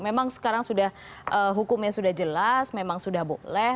memang sekarang sudah hukumnya sudah jelas memang sudah boleh